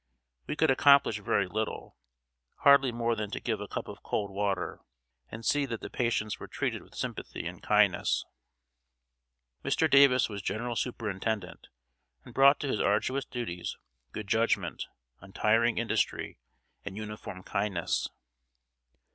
We could accomplish very little hardly more than to give a cup of cold water, and see that the patients were treated with sympathy and kindness. Mr. Davis was general superintendent, and brought to his arduous duties good judgment, untiring industry, and uniform kindness.